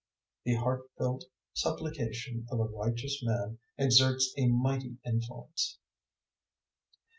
The heartfelt supplication of a righteous man exerts a mighty influence.